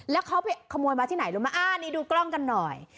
แล้วเขาไปขโมยมาที่ไหนรู้ไหมอ่านี่ดูกล้องกันหน่อย